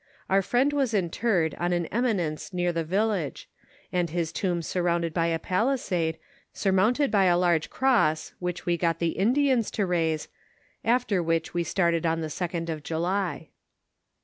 Our friend was interred on an eminence near the vil lage, and his tomb surrounded by a palisade, surmounted by a large cross, which we got the Indians to raise, after which we started on the 2d of July.